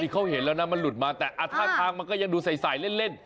เขาเห็นแล้วนะมันหลุดมาแต่ท่าทางมันก็ยังดูใสเล่น